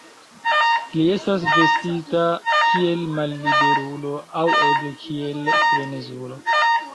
Li estas vestita kiel malliberulo aŭ eble kiel frenezulo.